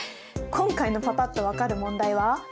今回のパパっと分かる問題はこれ。